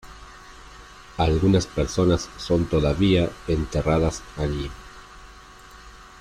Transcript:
Algunas personas son todavía enterradas allí.